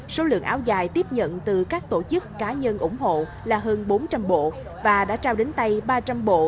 số lượng áo dài tiếp nhận từ các tổ chức cá nhân ủng hộ là hơn bốn trăm linh bộ và đã trao đến tay ba trăm linh bộ